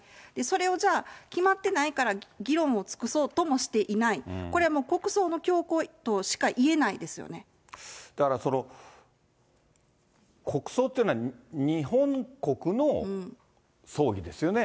それをじゃあ、決まってないから議論を尽くそうともしていない、これはもう、国だから、国葬っていうのは日本国の葬儀ですよね。